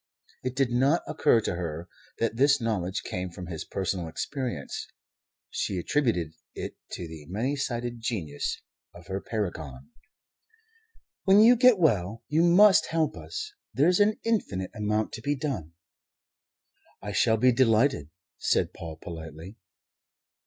It did not occur to her that this knowledge came from his personal experience. She attributed it to the many sided genius of her paragon. "When you get well you must help us. There's an infinite amount to be done." "I shall be delighted," said Paul politely.